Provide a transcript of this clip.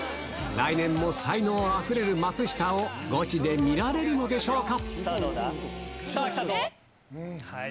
来年も才能あふれる松下をゴチで見られるのでしょうか。